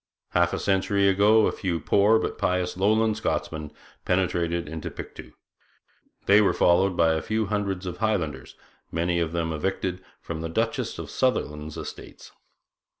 Half a century ago a few poor but pious Lowland Scotsmen penetrated into Pictou. They were followed by a few hundreds of Highlanders, many of them "evicted" from the Duchess of Sutherland's estates.